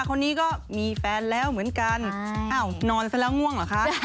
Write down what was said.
คนนี้ก็มีแฟนแล้วเหมือนกันอ้าวนอนซะแล้วง่วงเหรอคะ